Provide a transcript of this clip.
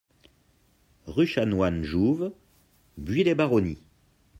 Rue Chanoine Jouve, Buis-les-Baronnies